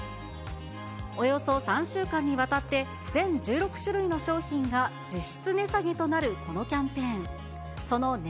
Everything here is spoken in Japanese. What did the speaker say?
およそ３週間にわたって、全１６種類の商品が実質値下げとなるこのキャンペーン。